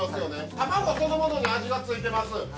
卵そのものに味がついてます。